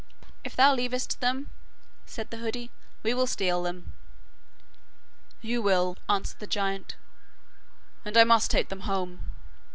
'If thou leavest them,' said the hoodie, 'we will steal them.' 'You will,' answered the giant, 'and I must take them home.